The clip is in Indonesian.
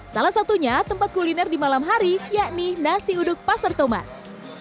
salah satunya tempat kuliner di malam hari yakni nasi uduk pasar thomas